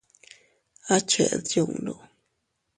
¿A cheʼed yundu?